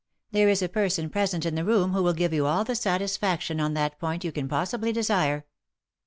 There is a person present in the room who will give you all the satisfaction on that point you can possibly desire."